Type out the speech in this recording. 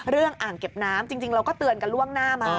อ่างเก็บน้ำจริงเราก็เตือนกันล่วงหน้ามา